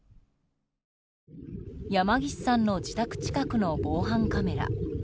山岸さんの自宅近くの防犯カメラ。